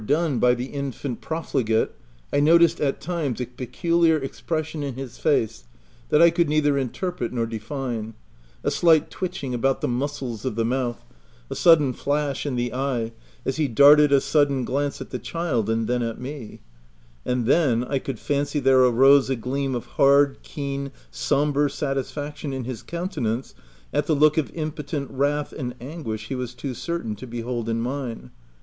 29 done by the infant profligate, I noticed, at times, a peculiar expression in his face, that I could neither interpret nor define— a slight twitching about the muscles of the mouth— a sudden flash in the eye, as he darted a sudden glance at the child and then at me ; and then, I could fancy there arose a gleam of hard, keen, sombre satis faction in his countenance at the look of impo tent wrath and anguish he was too certain to behold in mine.